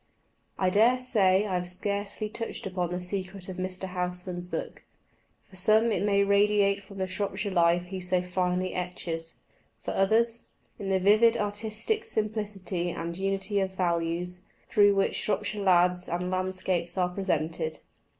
I dare say I have scarcely touched upon the secret of Mr. Housman's book. For some it may radiate from the Shropshire life he so finely etches; for others, in the vivid artistic simplicity and unity of values, through which Shropshire lads and landscapes are presented.